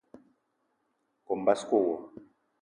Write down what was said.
Kome basko wo.